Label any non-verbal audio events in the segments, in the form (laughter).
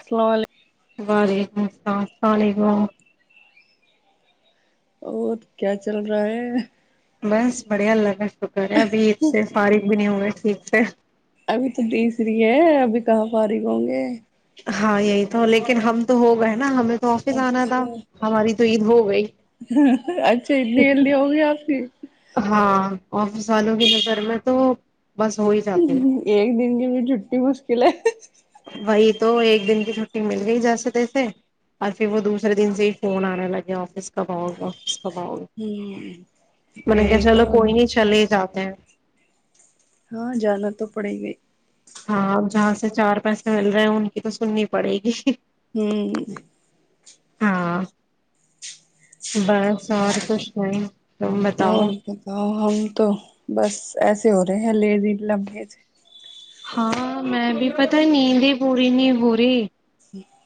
السلام علیکم وعلیکم السلام اور کیا چل رہا ہے بس بڑھیا لگا تو کر ہے ابھی اس سے فارغ بھی نہیں ہوئے ٹھیک ہے ابھی تو تیسری ہے ابھی کہاں فارغ ہوں گے ہاں یہی تو لیکن ہم تو ہو گئے نا ہمیں تو آفس آنا تھا اچھا ہماری تو عید ہو گئی اچھا اتنی الدی ہوگی آپ کی ہاں آفس والوں کی نظر میں تو بس ہو ہی جاتی ہے ایک دن کے لیے چھٹی مشکل ہے (inaudible) وہی تو ایک دن کی چھٹی مل گئی جیسے تیسے اور پھر وہ دوسرے دن سے ہی فون آنے لگے آفس کا با ہ م نے کہ یہی تو چلو کوئی نہیں چلے گا (unintelligible) ہاں جانا تو پڑی گئی ہاں جہاں سے چار پیسے مل رہے ہیں ان کی تو سننی پڑے گی ہوں ہاں بس اور کچھ نہیں تم اور بتاؤ بتاؤ ہم تو بس ایسے ہو رہے ہیں لیزی لمحے سے ہاں میں بھی پتا نیند پورینی ہو رہی جی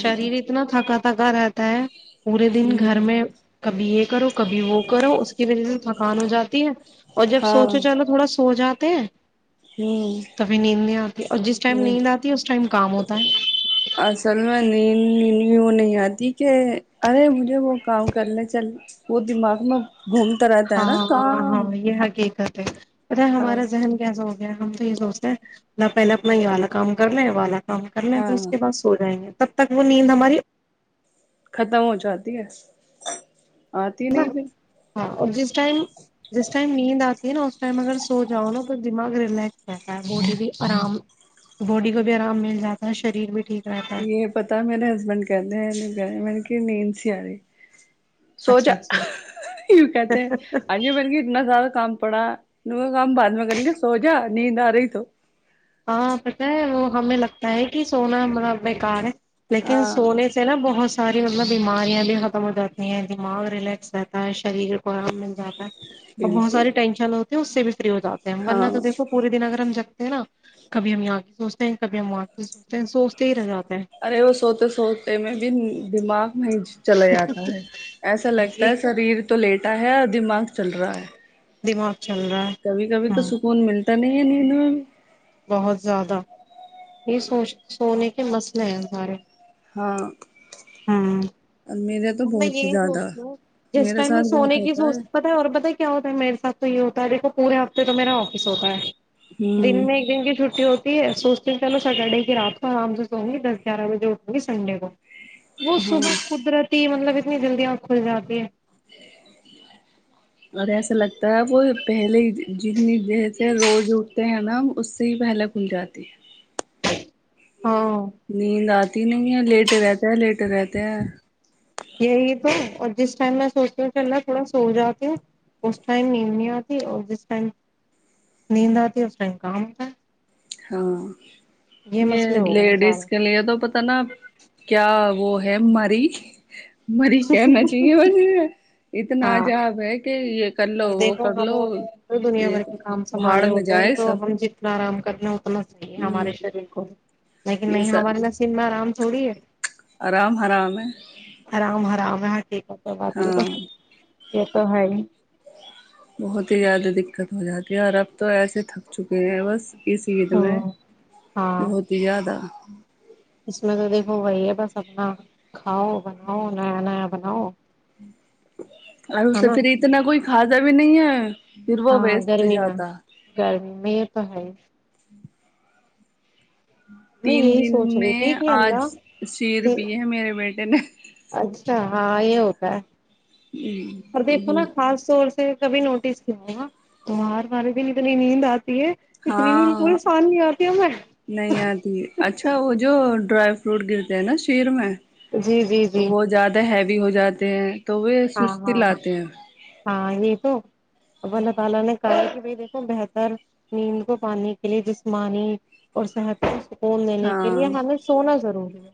شریر اتنا تھکا تھا پکا رہتا ہے پورے دن گھر میں کبھی ایک کرو کبھی وہ کرو اس کی وجہ سے تھکان ہو جاتی ہے اور جب ہاں سوچو چلو تھوڑا سو جات تے ہیں تو پھر نیند نہیں آتی اور جس ٹائم ہ نیند آتی ہے اس ٹائم کام ہوتا ہے اصل نہیں آتی کہ ارے مجھے وہ کام کرنے چل وہ دماغ میں گھومتا رہتا ہے نا کام (unintelligible) پتا ہاں ہمارا ذن کیسا ہوگ ہم تو یہ سوچتے ہیں ل پہلے اپنا یہ والا کام کرنا یہ والا کام کر لیں پھر اس ہاں کے بعد سو جائیں گے تب تک وہ نیند ہماری ختم ہو جاتی ہے آتی نہیں پھر ہاں اور جس ٹائم جس ٹائم نیند آتی ہے نا اس ٹائم اگر سو جاؤ نا تو دماغ ریلیکس رہتا ہے باڈی بھی آرام باڈی کو بھی آرام مل جاتا ہے شریر بھی ٹھیک رہتا ہے یہ پتا میرے ہسبینڈ کہتے ہیں نہیں کہ رہے میں نے کہ مین س آار سوچا اچھا اچھا وں کہتے ہیں ہ ج م نے کہ اتنا زیادہ کام پڑا کاا کام بعد میں کر لیا سو جا نیند آ رہی تو ہاں پتا ہے وہ ہمیں لگتا ہے کہ سونا ہما بیکار ہے لیکن ہاں سونے سے نا بہت ساری مطلب بیماریاں بھی ختم ہو جاتی ہیں دماغ ریلیکس رہتا ہے شریر کو آرام جاتا ہے ا بہت بالکل ساری ٹینشن ہو تو اس س ف ہو جے ہیں ہم ورنہ تو ہاں دھو پورے دن اگر ہم جگتے ہیں نا کبھی ہم یہاں کے سوچتے ہیں کبھی ہم آاں کے سوچتے ہیں سوچتے ہی رہ جاتے ہیں ارے وہ سوتے سوتے میں بھی دماغ وہیں چلا جاتا ہے ایسا لگتا ہے شریر تو لیٹا ہے اور دماغ چل رہا ہے دماغ چل رہا ہے کبھی کبھی تو ہاں سکون ملتا ت نہیںے نہیںین بہت زیادہ یہ سوچ سونے کے مسئلے ہیں ہمارے ہاں میرے تو میں بہت ہی یہی زیادہ سوچتا ہوں جس میرے ٹائم میں ساتھ بہت سونے کی ہوتا ہے سوچ پت اور بت کیا ہوتا ہے میرے ساتھ تو یہ ہوتا ہے دیکھو پورے ہفتے تو میرا آفس ہوتا ہے دن میں ہوں دن کی چھٹی ہوتی سوچتے ہیں چلو سٹرڈے کی رات کو آرام سے سووں گی دس گیارہ بجے اٹھوں گی سنڈے کو وہ صبح قدرت مطلب اتنی جلدی وہ کھل جاتی ہے اور ایسا لگتا ہے وہ پہلے جتنی ج سے روز اٹتے ہیں نا اس سے ہی پہلے کھل جاتی ہے ہاں نیند آتی نہیں ہے لیٹ رہتا ہے لیٹ رہتے ہیں یہی تو اور جس ٹائم میں سوچتی ہوں چلا تھوڑا سو جاتی ہوں اس ٹائم نیند نہیں آتی اور جس ٹائم نیند آتی اس ٹائم کام ہوتا ہے ہاں یہ مسئلے ہو گئے سارے لیڈیز کے لیے تو پتا نا کیا وہ ہے ماری مری کہنا چاہیے وج اتنا ہاں عجاب ہے کہ یہ اور وہ دیکھو کر ہم لو اور دنیا یہ بھر کے کام بھاڑ سنبھالنے میں ہوتے ہیں جائے تو سب ہم جتنا آرام کرنا چاہی ہ ہمارے شریر کو لیکن یہ نہیں سب ہمارے نصب میں آرام سے تھوڑی ہے آرام حرام ہے آرام آرام ہے ٹھیک ہے تو بات ہاں یہ تو ہے بہت ہی زیادہ دقت ہو جاتی یار اب تو ایسے تھک چکے ہیں بس اس عید میں ہوں بہت ہی زیادہ اسسمت وہ د ہو گای ہے بس اپنا کاؤ بناؤ نیا نیا بلوؤ اور اسے پھر اتنا کوئی خضا بھی نہیں ہے پھر وہ ہاں ویسٹ گرمی میں جاتا گرمی میں تو ہے میں تین یہی دن سوچ رہی میں تھی کہ آج اللہ شیر پی ہے میرے بیٹے نے اچ ہاں یہ ہوتا ہے اور دیکھو نا ہوں خاص طور سے کبھی نوٹس کیا ہوا سمار مار دن نہیں آ ہے اتنی ہاں نیند کوئی سان ہمیں نہیں آتی اچھا وہ جو ڈرائی فروٹ گرتے ہیں نا شیر میں جی جی جی وہ زیادہ ہے بھی ہو جاتے ہیں تو وہ ہاں سستی ہاں لاتے ہیں ہاں یہ تو اللہ تعالی نے دیکھو بہتر نیند کو پانی کے لیے جسمانی اور صحت سون دینے کے لیے ہاں ہمیں سونا ضروری ہے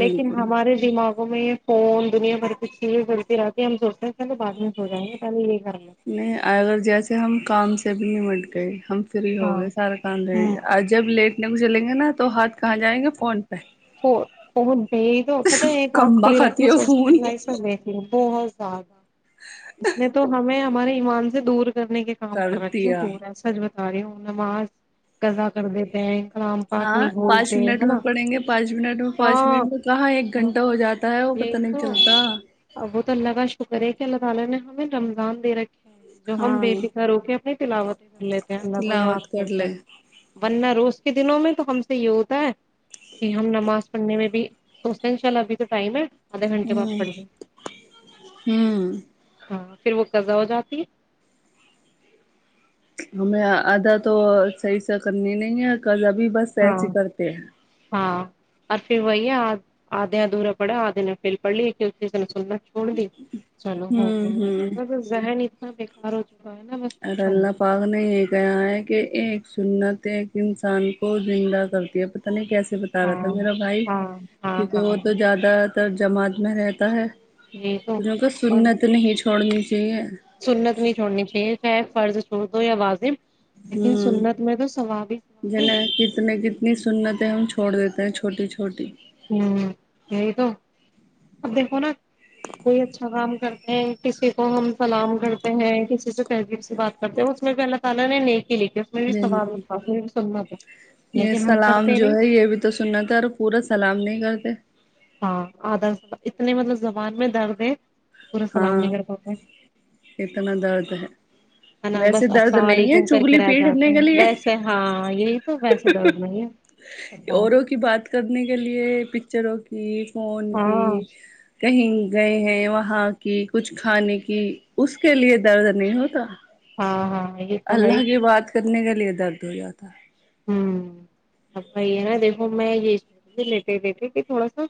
لیکن ہمارے دماغ میں فون دنیا بھر کچھ چیزیں کرڑتی رہتی ہیں ہم سوچتے ہیں پلے بع میں سو جائیں گے پہے یہ کر لیتے نہیں اگر جیسے ہم کام سے چبنی مٹ گئی ہم فری ہیں ہو ہاں گئے سارا کام رہ ہوں گیا آ جب لیٹ نے کو چلیں گے نا تو ہات کہاں جائیں گے فون پہ وہ بہت ب تو پتا ایک آنکھ کمبا کھلی رہتی ہے کھاتی فون سوچتی سب دیکھ ل بہت زیادہ اس میں تو ہمیں ہمارے ایمان سے دور کرنے کے کام کر رکھے ہیں پورا سجو ارے ہ نما قزا کر دیتے ہیں کام پاک ہاں نہیں پانچ گھولتے منٹ ہے میں نا پڑیں گے پانچ منٹ میں پانچ ہاں منٹ میں کہاں ایک گھنٹہ ہو جاتا ہے وہ پت یہی نہیں تو چلتا دیکھیں اللہ تعالی نے ہمیں جو ہم ہاں بے فکر ہو کے اپائی تلاوتیں کر لیتے ہیں اللہ کو یاد تلاوت کر ہوتا لے ہے ورنہ روز کے دنوں میں تو ہم سے یہ ہوتا ہے کہ ہم نماز پڑھنے میں بھی سوچتے ہیں ان شاء اللہ ابھی تو ٹائم ہے آدھے گھنٹے بعد ہوں پڑھ لیں ہوں ہاں پھر وہ کزا ہو جاتی ہے ہمیں آدھا تو صحیح سے کرنی نہیں ہے کز ابھی بس سحچ کرتے ہیں اورر پھر وہی ہے آدے ادھورا پڑا آدھے ن پل پڑ لییز سننا چھوڑ دی چلو ہو ہوں گ ہو زذہ نہیں بے کارو اگر اللہ پاک نے یہ کہا ہے کہ ایک سنت انسان کو زندہ کرتی ہے پت نہیں کیسے بتا رہا تھا ہاں میرا بھائی ہاں ہاں کیونکہ وہ تو ہاں زیادہ تر جماعت میں رہتا ہے یہی تو توں کو اور سننا تو نہیں تھوڑی سنت نہیں چھوڑنی چاہیے فرض چ یا واضم ہوں ثواب جنا ہے کہ تمیں کتنی سنت ہم چھوڑ دیتے ہیں چھوٹی چھوٹی کوئی اچھا کام کرتے ہیں کسی کو ہم سلام کرتے ہیں کسی سے بات کرتے ہیں اس میں بھی اللہ تعالی نے لکھی اس میں بھی ثواب بالکل لکھا اس میں بھی سنت ہے یہ لیکن ہم کرتے سلام ہی جو نہیں ہے یہ بھی تو سننا تھا اور پورا سلام نہیں گتے ہاں آدر اتنے مطلب زبان میں درد ہے پورا سلام ہاں نہیں کر پاتے ہے اتنا درد ہے نا ویسے بس درد السلام نہیں ہے علیکم کر کے چگلی رہ پیٹنے جاتے کے ہیں لیے ویسے ہاں یہی تو ویسے درد نہیں ہے بتاؤ اوروں کی بات کرنے کے لیے پکچروں کی ج فون کی ہاں کہیں گئے ہیں وہاں کچھ کھانے کی اس کے لیے درد نہیں ہوتا ہاں ہاں یہ تو ہے ہی اللہ کی بات کرنے کا لے درد ہو جاتا ہے ہ اب بھائی ہے نا دیکھو میں یہ سوچ لیتے لیتے کہ تھوڑا سا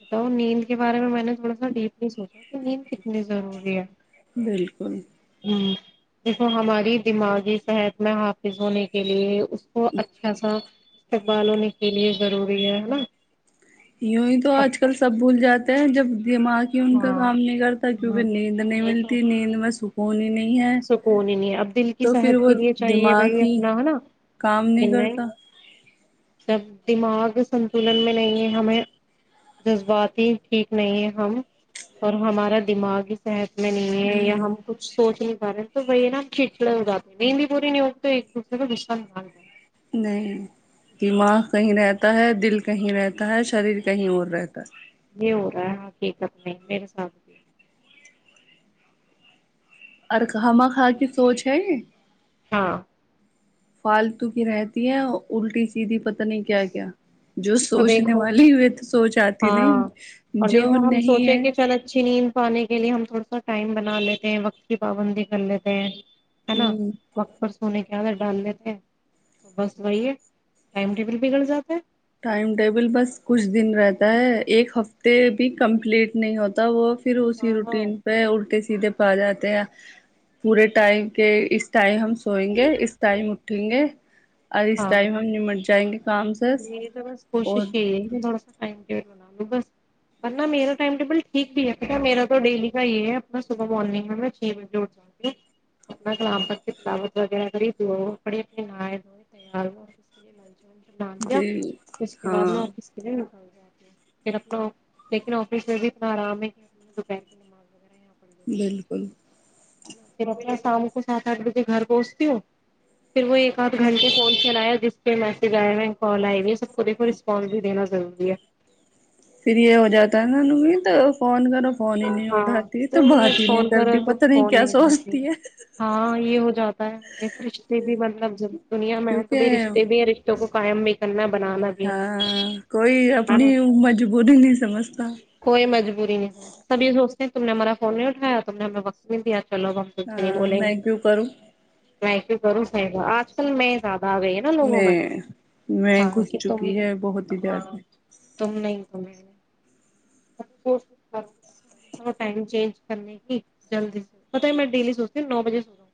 بتاؤ نیند کے بارے میں میں نے تھوڑا سا ڈیپلی سوچا کہ نیند کتنی ضروری ہے بالکل دیکھو ہماری دماغی صحت میں حافظ ہونے کے لیے وہ اچھا سا تقبال ہونے کے لیے ضروری ہے ہے نا یوں ہی تو اب آج کل سب بھول جاتا ہیں جب (unintelligible) دماغی ان کا ہاں کام نہیں کرتا کیوںکہ ہ نیند نہیں یہ تو ملتی نیند میں سکھ سکون ہی نہیں ہے اب دل کی تو پھر صحت وہ کے لیے چاہیے دماغ بھائی ہی اپنا ہے نا کام لیکن نہیں کرتا جب دماغ سنتلن میں نہیں ہے ہمیں جذباتی ٹھیک نہیں ہے ہم اور ہمارا دماغی صحت میں نے یا ہم کچھ سوچ نہیں پا رہے تو وہ نا کچڑے اگاتے ہیں مہندی بوری نہیں ہوگ تو ایک دوسرے کو مشن مانگ د نہیں دماغ کہیں رہتا ہے دل کہیں رہتا ہے شریر کہیں اور رہتا ہے یہ ہو رہا ہے ہاں کیقت نہیں میرے ساتھ بھی اورر کمہ خاں کی سوچ ہے ہاں فالتو کی رہتی ہیں الٹی سیدھی پت نہیں کیا کیا جو اور سوچنے دیکھو والی ہوئے تو سوچ آتی ہاں نہیں اور جو دیکھو ہم نہیں سوچیں ہے کہ چل اچھی نیند پانے کے لیے ہم تھوڑا سا ٹائم بنا لیتے ہیں وقت کی پابندی کر لیتے ہیں ہے نا ہوں وقت پر سونے کے کیاد ڈال لیتے ہیں تو بس وہی ہے ٹائم ٹیبل بگڑ جاتا ہے ٹائم ٹیبل بس کچھ دن رہتا ہے ایک ہفتے بھی کمپلیٹ نہیں ہوتا وہ پھر اسی ہاں ہاں روٹیین پہ الٹے پا جاتات ہیں پورے ٹائم کے اس ٹائم ہم سوئیں گے اس ٹائم اٹھیں گے اور اس ہاں ٹائم ہم نمٹ جائیں گے فرامسس س کوششے تھوڑا سا م بنا لوں بس ورنہ میرا ٹائم ٹیبل ٹھیک بھی ہے بیٹا میرا تو ڈیلی کا یہ ہے اپنا صبح مارگ میں چھ بجے اٹھ جاتی ہوں اپنا کلام پ کی تلاوت وغیرہی د پڑی اپنے نہائے دوئے تیار ہ آس کے لیے لنچ و ڈالیا پ اس کے بعد میں ہاں آفس کے لیے نکال پھر اپنا لیکن آفس میں بھی اتنا آرام ہے کہ دوپہر کی نماز وغیرہ پڑھ لیتی ہوں میں بالکل پھر اپنا شام کو سات آٹھ بجے گھر پہنچتی ہوں پھر وہ ایک آدھ گھنٹ فون چلایا جس پہ میسج آئے ہوئے ہیں کال آئے ہوی سب کو دیکھو رسپانس بھی دینا ضروری ہے پھر یہ ہو جاتا ہے ان بھی تو فون کر ہاں تم فون کرو کرتی تو پتہ فون کیا نہیں ڈاتی سوچتی ہے ہاں یہ ہو جاتا ہے دیکھو رشتے بھی مطلب دنیا میں ہے توھئی کیونکہ رشتے بھی ہے رشتوں کو قائم بھی کرنا بنانا بھی ہے ہاں کوئی ہے اپنی نا مجبوری نہیں سمجھتا دوست تم نے ہمارا فون نہیں اٹھا تم نے ہمیں وت دیا تھا ہاں م کیوں کروں نہیں کی کروں ص نہیں گا آج کل میں آ گئی نا لوگوں میں میں ہاں گھس کہ تم چکی ہے بہت ہی ہاں زیادہ تم نہیں تو میں کوشش کر ٹائم چینج کرنے کی جلدی سے پت ہی میں ڈیلی سوچتی ہوں نو بجے سو رہا ہوں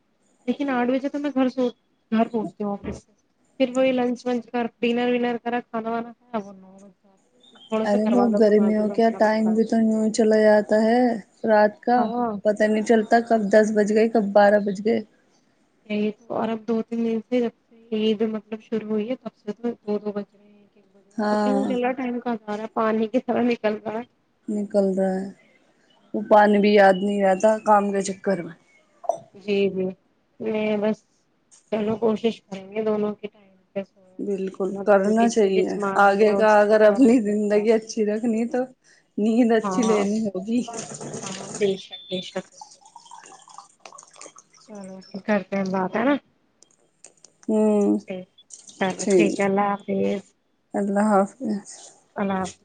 لیکن آٹھ بجے تو میں گھر سو گھر پہنچتے ہو آفس سے پھر وہی لنچ ونچ کر ڈنر ونر کرا کھانا وانا تھوڑا سا ارے گھر وہ والوں کا بازی گرمیوں کیا بیٹھنا ٹائم پڑتا بھی ہے تو نہیںوں چلاے جاتا تو ہے رات کا ہاں پتا نہیں چلتا کب دس بج گئے سب بارہ بج گئے یہی تو اور اب دو تین دن سے جب سے عید مطلب شروع ہوئی ہے تب سے تو دو دو بج رہے ہیں پ ہاں ج ائم کا آدار ہے پانی کی طرح نکل رہا ہے نکل رہا ہے وہ پن بھی یاد نہیں رہد کام کا چکر میں جی جی میں بس چلو کوشش کریں گے دونوں کے ٹائم پہ سویا کریں بالکل اپنا کیونکہ کرنا اس سے چاہیے جسمانی آگے اور کا اگر صحت کو آرام اپنی ملتا ہے۔ زندگی اچھی رکھنی تو نیند اچھی ہاں لین ہوگی ہاں ہاں بے شک بے شک چلو یک کرتے ہیں بات ہے نا ہوں ٹھیک چلو ٹھیک ہے اللہ حافظ ہے اللہ حافظ اللہ حافظ